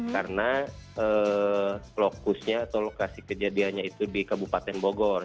karena lokusnya atau lokasi kejadiannya itu di kabupaten bogor